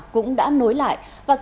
cũng đã nối lại với các đường bay quốc tế